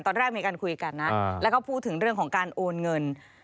ตอนแรกมีการคุยกันนะแล้วก็พูดถึงเรื่องของการโอนเงิน